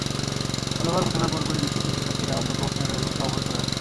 ফলাফল ঘোষণার পরপরই বিক্ষুব্ধ শিক্ষার্থীরা অধ্যক্ষ হোসনে আরা বেগমকে অবরোধ করে রাখেন।